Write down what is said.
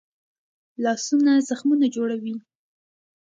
لاسونه زخمونه جوړوي